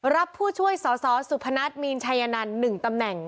ผู้ช่วยสสสุพนัทมีนชัยนันต์๑ตำแหน่ง